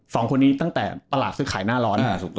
สองคนนี้ตั้งแต่ตลาดซื้อขายหน้าร้อน